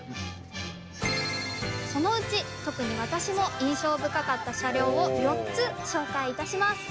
そのうち特に私も印象深かった車両を４つ紹介いたします。